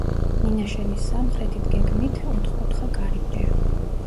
მინაშენის სამხრეთით გეგმით ოთხკუთხა კარიბჭეა.